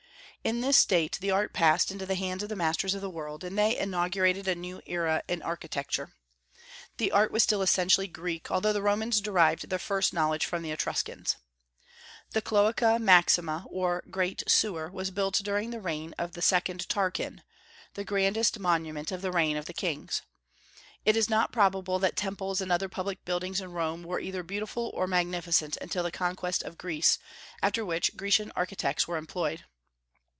In this state the art passed into the hands of the masters of the world, and they inaugurated a new era in architecture. The art was still essentially Greek, although the Romans derived their first knowledge from the Etruscans. The Cloaca Maxima, or Great Sewer, was built during the reign of the second Tarquin, the grandest monument of the reign of the kings. It is not probable that temples and other public buildings in Rome were either beautiful or magnificent until the conquest of Greece, after which Grecian architects were employed.